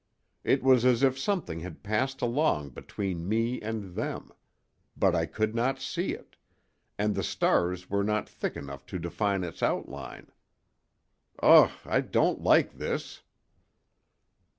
It was as if something had passed along between me and them; but I could not see it, and the stars were not thick enough to define its outline. Ugh! I don't like this."